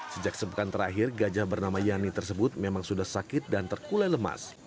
sejak sepekan terakhir gajah bernama yani tersebut memang sudah sakit dan terkulai lemas